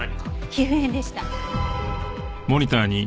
皮膚片でした。